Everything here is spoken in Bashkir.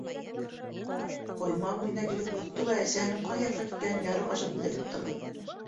Ҡойма буйына килеп боҫто ла әсәһенең ҡайһы яҡҡа киткәнен ярыҡ аша күҙәтеп торҙо.